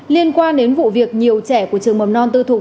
liên quan đến vụ việc nhiều trẻ của trường mầm non tư thục